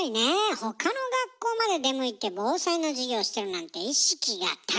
ほかの学校まで出向いて防災の授業してるなんて意識が高い！